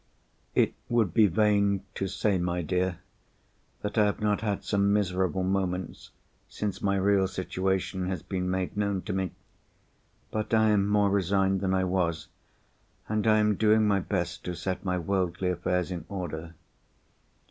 It would be vain to say, my dear, that I have not had some miserable moments since my real situation has been made known to me. But I am more resigned than I was, and I am doing my best to set my worldly affairs in order.